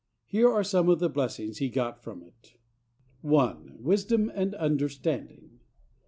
Here are some of the blessings he got from it. I. Wisdom and understanding.